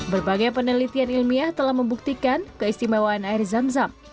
berbagai penelitian ilmiah telah membuktikan keistimewaan air zam zam